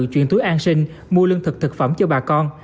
chuyển túi an sinh mua lương thực thực phẩm cho bà con